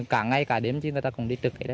cả ngày cả đêm người ta cũng đi trực